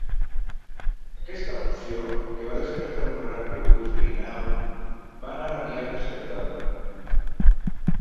Aquesta opció, que va despertar un gran rebuig veïnal, va anar aviat descartada.